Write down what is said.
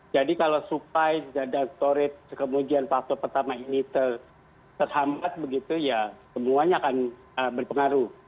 jadi kalau supply dan storage kemudian faktor pertama ini terhambat begitu ya semuanya akan berpengaruh